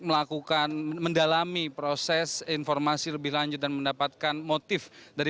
melakukan mendalami proses informasi lebih lanjut dan mendapatkan motif dari